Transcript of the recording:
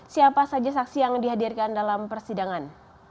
siapa saja saksi yang dihadirkan dalam persidangan